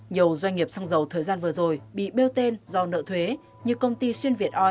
nhiều doanh nghiệp xăng dầu thời gian vừa rồi bị bêu tên do nợ thuế như công ty xuyên việt oi